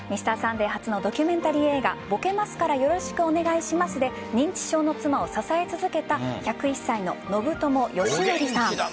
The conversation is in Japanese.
「Ｍｒ．サンデー」初のドキュメンタリー映画「ぼけますから、よろしくお願いします。」で認知症の妻を支え続けた１０１歳の信友良則さん。